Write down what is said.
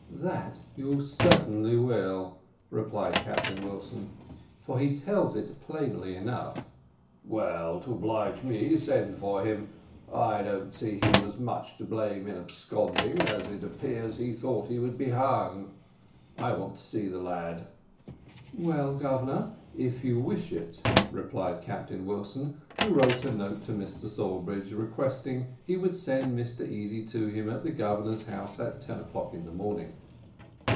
"That you certainly will," replied Captain Wilson, "for he tells it plainly enough." "Well, to oblige me, send for him I don't see he was much to blame in absconding, as it appears he thought he would be hung I want to see the lad." "Well, Governor, if you wish it," replied Captain Wilson, who wrote a note to Mr Sawbridge, requesting he would send Mr Easy to him at the Governor's house at ten o'clock in the morning.